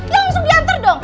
ya langsung diantar dong